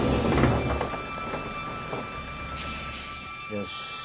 よし。